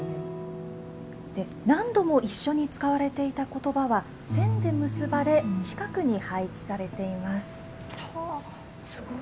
何度も一緒に使われていた言葉は線で結ばれ近くに配置されています。